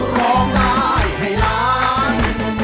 ร้องได้ให้ล้าน